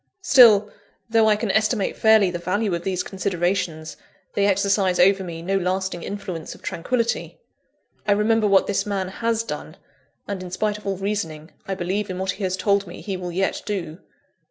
Still, though I can estimate fairly the value of these considerations, they exercise over me no lasting influence of tranquillity. I remember what this man has done; and in spite of all reasoning, I believe in what he has told me he will yet do.